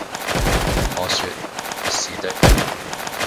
」我説「是的。」